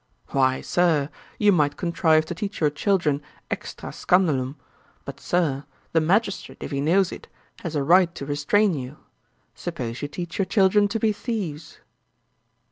'Why, Sir, you might contrive to teach your children extrÃ scandalum; but, Sir, the magistrate, if he knows it, has a right to restrain you. Suppose you teach your children to be thieves?'